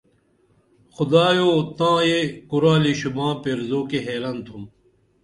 خدایو تاں یہ کُرالی شوباں پیرزو کی حیرن تُھم